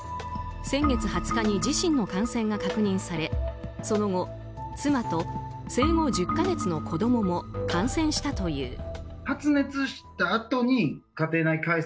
先月２０日に自身の感染が確認されその後、妻と生後１０か月の子供も感染したという。